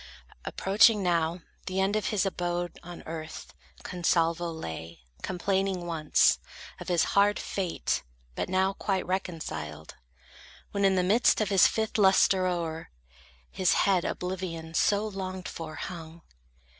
Approaching now the end of his abode On earth, Consalvo lay; complaining once, Of his hard fate, but now quite reconciled, When, in the midst of his fifth lustre, o'er His head oblivion, so longed for, hung.